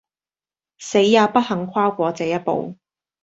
死也不肯跨過這一步。